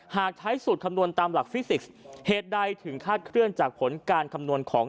หากใช้สูตรคำนวณตามหลักฟิสิกส์เหตุใดถึงคาดเคลื่อนจากผลการคำนวณของ